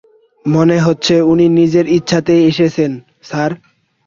মনে হচ্ছে উনি নিজের ইচ্ছাতেই এসেছেন, স্যার।